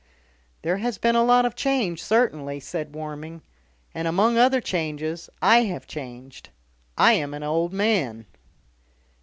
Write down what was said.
"There has been a lot of change certainly," said Warming. "And, among other changes, I have changed. I am an old man."